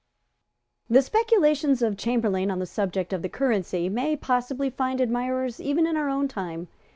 The speculations of Chamberlayne on the subject of the currency may possibly find admirers even in our own time.